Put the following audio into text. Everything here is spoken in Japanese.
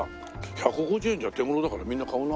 １５０円じゃ手頃だからみんな買うな。